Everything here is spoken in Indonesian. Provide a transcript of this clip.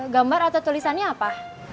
gambar atau tulisannya apa